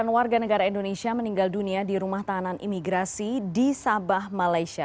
satu ratus empat puluh sembilan warga negara indonesia meninggal dunia di rumah tahanan imigrasi di sabah malaysia